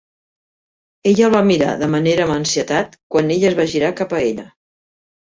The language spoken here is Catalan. Ella el va mirar de manera amb ansietat, quan ell es va girar cap a ella.